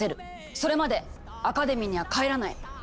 それまでアカデミーには帰らない！